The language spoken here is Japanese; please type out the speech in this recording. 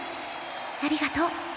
ありがとう。